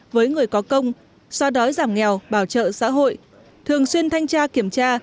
với người có công xoa đói giảm nghèo bảo trợ xã hội thường xuyên thanh tra